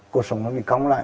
cột sổng nó bị còng lại